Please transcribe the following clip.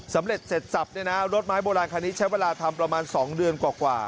เสร็จสับเนี่ยนะรถไม้โบราณคันนี้ใช้เวลาทำประมาณ๒เดือนกว่า